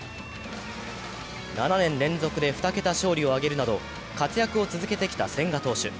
７年連続で２桁勝利を挙げるなど、活躍を続けてきた千賀投手。